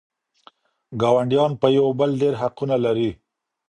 ګاونډيان په يوه بل ډېر حقونه لري.